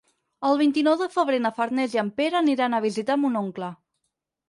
El vint-i-nou de febrer na Farners i en Pere aniran a visitar mon oncle.